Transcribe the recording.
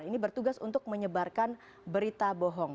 ini bertugas untuk menyebarkan berita bohong